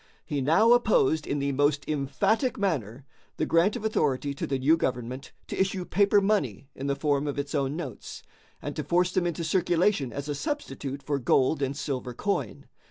He now opposed in the most emphatic manner the grant of authority to the new government to issue paper money in the form of its own notes, and to force them into circulation as a substitute for gold and silver coin.